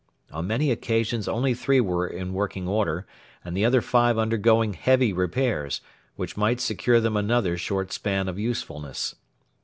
On many occasions only three were in working order, and the other five undergoing 'heavy repairs' which might secure them another short span of usefulness.